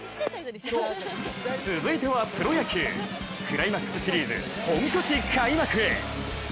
続いてはプロ野球クライマックスシリーズ、本拠地開幕へ。